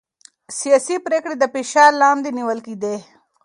سياسي پرېکړې د فشار لاندې نيول کېدې.